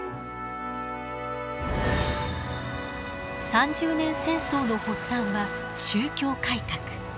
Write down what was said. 三十年戦争の発端は宗教改革。